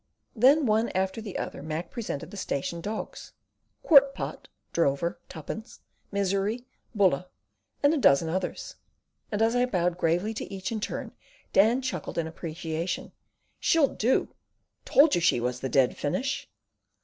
Then one after the other Mac presented the station dogs: Quart Pot, Drover, Tuppence, Misery, Buller, and a dozen others; and as I bowed gravely to each in turn Dan chuckled in appreciation: "She'll do! Told you she was the dead finish."